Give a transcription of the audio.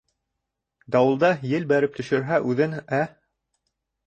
— Дауылда ел бәреп төшөрһә үҙен, ә?